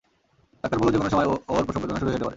Doctor বললো যেকোনো সময় ওর প্রসববেদনা শুরু হয়ে যেতে পারে।